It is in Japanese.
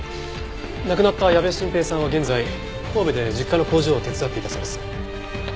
亡くなった矢部晋平さんは現在神戸で実家の工場を手伝っていたそうです。